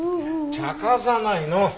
ちゃかさないの。